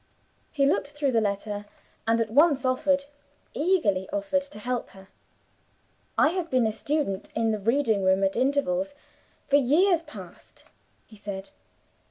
He looked through the letter, and at once offered eagerly offered to help her. "I have been a student in the reading room at intervals, for years past," he said.